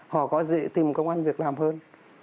họ có dễ tìm công an việc làm hơn